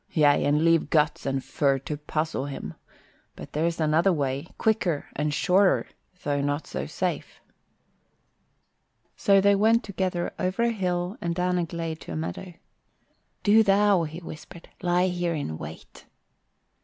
Yea, and leave guts and fur to puzzle him. But there's another way, quicker and surer, though not so safe." So they went together over a hill and down a glade to a meadow. "Do thou," he whispered, "lie here in wait."